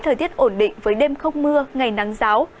thời tiết ổn định với đêm không mưa ngày nắng giáo